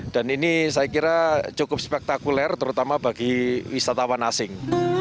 dan ini saya kira cukup spektakuler terutama bagi wisatawan asing